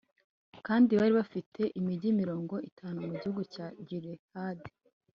kandi bari bafite imigi mirongo itatu mu gihugu cya gilihadi